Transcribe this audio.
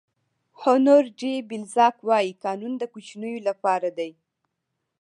هونور ډي بلزاک وایي قانون د کوچنیو لپاره دی.